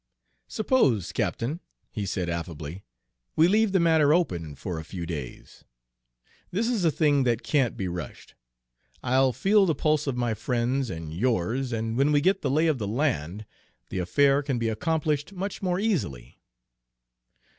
"Suppose, captain," he said affably, "we leave the matter open for a few days. This is a thing that can't be rushed. I'll feel the pulse of my friends and yours, and when we get the lay of the land, the affair can be accomplished much more easily."